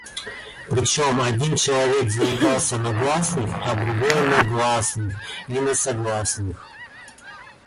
Причём один человек заикался на гласных, а другой на гласных и на согласных.